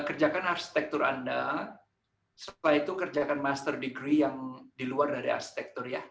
kerjakan arsitektur anda supaya itu kerjakan master degree yang di luar dari arsitektur ya